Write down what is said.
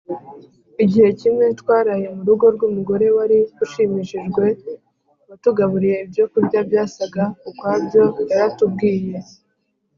Igihe kimwe twaraye mu rugo rw umugore wari ushimishijwe watugaburiye ibyokurya byasaga ukwabyo Yaratubwiye